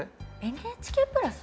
ＮＨＫプラス？